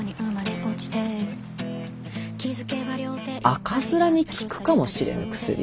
赤面に効くかもしれぬ薬？